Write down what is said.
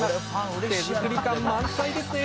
手作り感満載ですね！